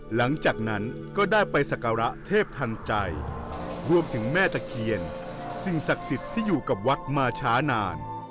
หลังจากนั้นก็ได้ไปสักการะเทพทันใจรวมถึงแม่ตะเคียนสิ่งศักดิ์สิทธิ์ที่อยู่กับวัดมาช้านาน